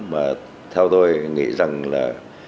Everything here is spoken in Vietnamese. mà theo tôi nghĩ rằng là